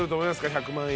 １００万円。